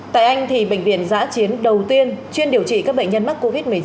tại anh bệnh viện giã chiến đầu tiên chuyên điều trị các bệnh nhân mắc covid một mươi chín